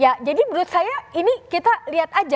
ya jadi menurut saya ini kita lihat aja